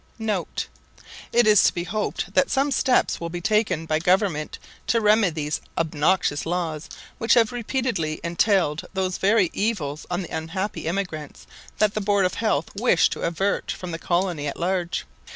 [* It is to be hoped that some steps will be taken by Government to remedy these obnoxious laws which have repeatedly entailed those very evils on the unhappy emigrants that the Board of Health wish to avert from the colony at large.